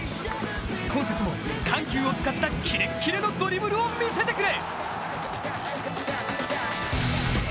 今節も緩急を使ったキレッキレのドリブルを見せてくれ！